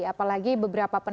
apalagi beberapa pendakwaan